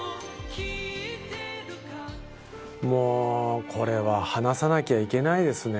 もうこれは話さなきゃいけないですね。